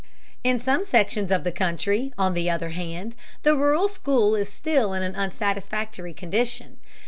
In some sections of the country, on the other hand, the rural school is still in an unsatisfactory condition.